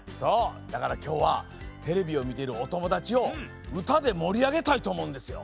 だからきょうはテレビをみているおともだちをうたでもりあげたいとおもうんですよ。